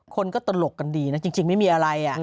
คนก็ตลกกันดีนะจริงไม่มีอะไร